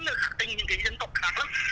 nó khác tính những cái dân tộc khác lắm